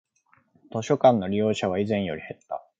図書館の利用者は以前より減った